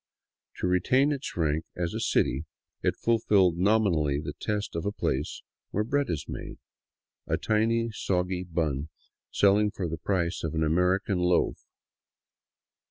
To retain its rank as a " city," it fulfilled nominally the test as a place where bread is made, — a tiny, soggy bun selling for the price of an American loaf.